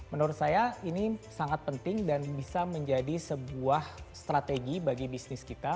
menurut saya ini sangat penting dan bisa menjadi sebuah strategi bagi bisnis kita